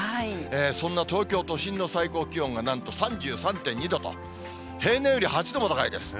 そんな東京都心の最高気温がなんと３３．２度と、平年より８度も高いです。